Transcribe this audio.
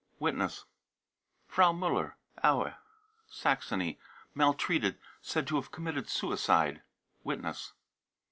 (Witness.) frau muller, Aue, Saxony, maltreated, said to have committed suicide. (Witness.)